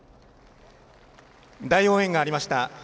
大応援がありました。